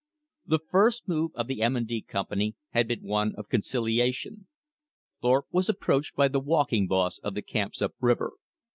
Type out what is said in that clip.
The first move of the M. & D. Company had been one of conciliation. Thorpe was approached by the walking boss of the camps up river.